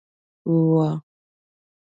وه